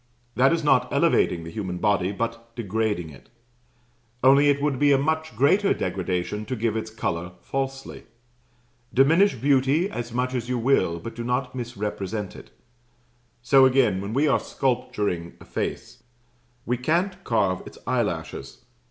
That is not elevating the human body, but degrading it; only it would be a much greater degradation to give its colour falsely. Diminish beauty as much as you will, but do not misrepresent it. So again, when we are sculpturing a face, we can't carve its eyelashes.